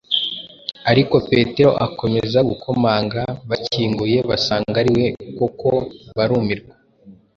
Ariko Petero akomeza gukomanga; bakinguye, basanga ari we koko, barumirwa.